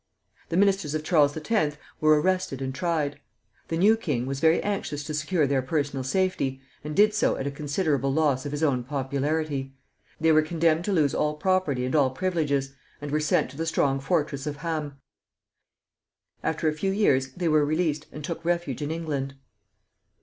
The ministers of Charles X. were arrested and tried. The new king was very anxious to secure their personal safety, and did so at a considerable loss of his own popularity. They were condemned to lose all property and all privileges, and were sent to the strong fortress of Ham. After a few years they were released, and took refuge in England.